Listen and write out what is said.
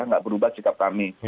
nggak berubah sikap kami